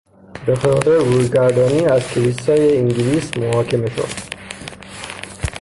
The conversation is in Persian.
به خاطر رویگردانی از کلیسای انگلیس محاکمه شد.